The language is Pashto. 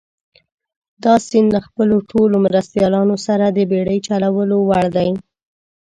دا سیند له خپلو ټولو مرستیالانو سره د بېړۍ چلولو وړ دي.